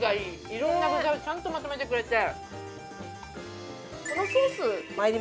いろんな具材をちゃんとまとめてくれて。